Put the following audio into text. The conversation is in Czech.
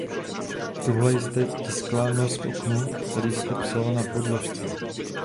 Tuhle jste tiskla nos k oknu, tady jste psala na podložce.